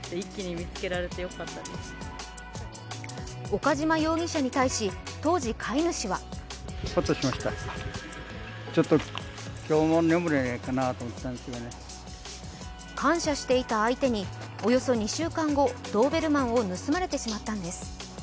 岡島容疑者に対し当時飼い主は感謝していた相手におよそ２週間後、ドーベルマンを盗まれてしまったんです。